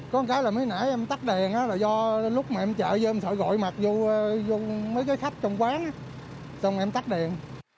có một cái là mới nãy em tắt đèn là do lúc mà em chạy vô em sợ gọi mặt vô mấy cái khách trong quán xong em tắt đèn